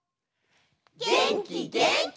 げんきげんき！